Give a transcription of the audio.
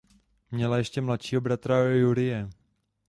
Měla ještě mladšího bratra Jurije.